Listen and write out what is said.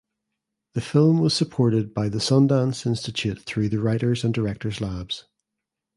The film was supported by the Sundance Institute through the "Writers and Directors Labs".